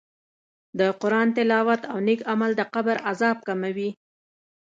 د قرآن تلاوت او نېک عمل د قبر عذاب کموي.